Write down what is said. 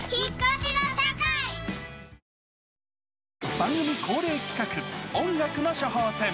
番組恒例企画、音楽の処方箋！